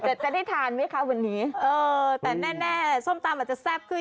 แต่จะได้ทานไหมคะวันนี้เออแต่แน่แน่ส้มตำอาจจะแซ่บขึ้น